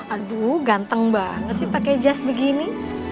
aduh ganteng banget sih pakai jas begini